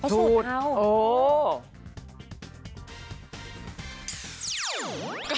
โดนเข้า